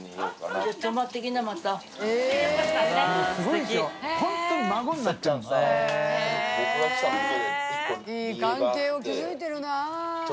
いい関係を築いてるな。